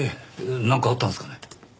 なんかあったんですかね？